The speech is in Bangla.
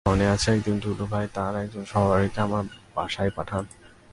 মনে আছে, একদিন টুলু ভাই তাঁর একজন সহকারীকে আমার বাসায় পাঠান।